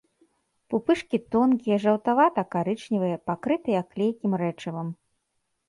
Пупышкі тонкія, жаўтавата- карычневыя, пакрытыя клейкім рэчывам.